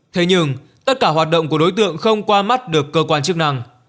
thế nhưng tất cả hoạt động của đối tượng không qua mắt được cơ quan chức năng